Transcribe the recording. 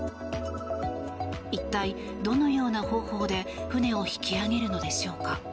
一体、どのような方法で船を引き揚げるのでしょうか。